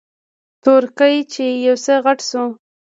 تورکى چې يو څه غټ سو.